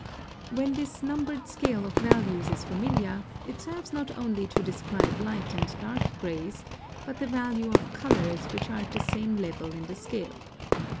] (66) When this numbered scale of values is familiar, it serves not only to describe light and dark grays, but the value of colors which are at the same level in the scale.